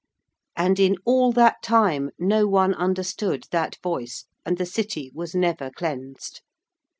And in all that time no one understood that voice, and the City was never cleansed.